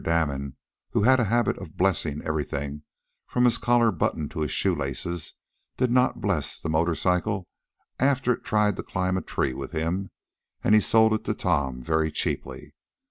Damon, who had a habit of "blessing" everything from his collar button to his shoe laces, did not "bless" the motor cycle after it tried to climb a tree with him; and he sold it to Tom very cheaply.